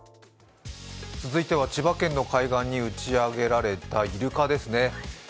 続いては千葉県の海岸に打ち上げられたイルカですね。